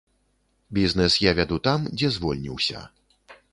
Бізнэс я вяду там, дзе я звольніўся.